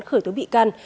khởi tố bị can